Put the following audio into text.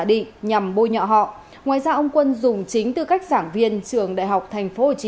định nhằm bôi nhọ họ ngoài ra ông quân dùng chính tư cách giảng viên trường đại học thành phố hồ chí